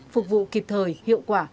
phục vụ kịp thời hiệu quả